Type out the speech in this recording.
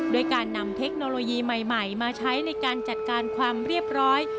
ด้วยการนำเทคโนโลยีใหม่มาใช้ในการจัดการความเรียบร้อย